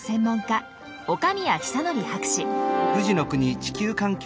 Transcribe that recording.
岡宮久規博士。